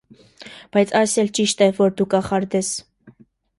Բայց այս էլ ճիշտ է, որ դու կախարդ ես: